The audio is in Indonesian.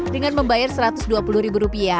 dengan membayar rp satu ratus dua puluh